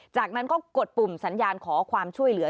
จากนั้นก็กดปุ่มสัญญาณขอความช่วยเหลือ